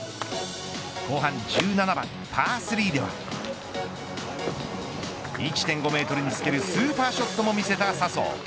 後半１７番パー３では１．５メートルにつけるスーパーショットも見せた笹生。